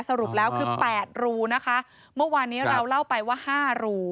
สรุปแล้วคือแปดรูนะคะเมื่อวานนี้เราเล่าไปว่าห้ารู